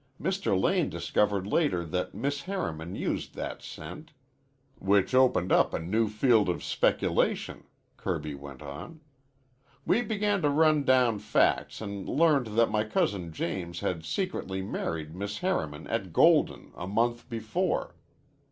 Mr. Lane discovered later that Miss Harriman used that scent." "Which opened up a new field of speculation," Kirby went on. "We began to run down facts an' learned that my cousin James had secretly married Miss Harriman at Golden a month before.